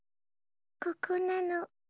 ここなの。